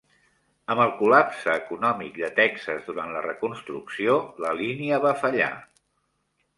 Amb el col·lapse econòmic de Texas durant la Reconstrucció, la línia va fallar.